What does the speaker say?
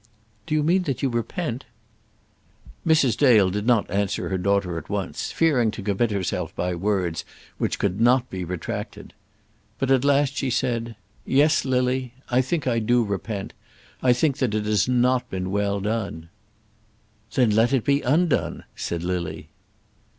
"Do you mean that you repent?" Mrs. Dale did not answer her daughter at once, fearing to commit herself by words which could not be retracted. But at last she said, "Yes, Lily; I think I do repent. I think that it has not been well done." "Then let it be undone," said Lily.